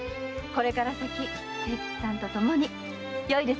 これから先清吉さんとともによいですね？